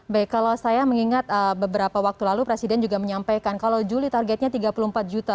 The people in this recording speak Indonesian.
baik kalau saya mengingat beberapa waktu lalu presiden juga menyampaikan kalau juli targetnya tiga puluh empat juta